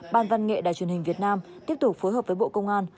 ban văn nghệ đài truyền hình việt nam tiếp tục phối hợp với bộ công an